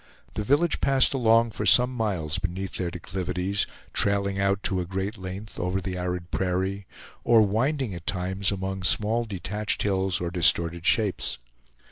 The village passed along for some miles beneath their declivities, trailing out to a great length over the arid prairie, or winding at times among small detached hills or distorted shapes.